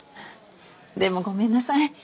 でもごめんなさい。